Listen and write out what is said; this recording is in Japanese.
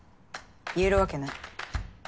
言えるわけない。